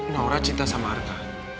naura cinta sama arka